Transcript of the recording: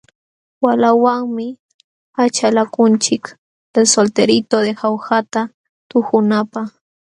Waqlawanmi achalakunchik El solterito de jaujata tuhunapaq.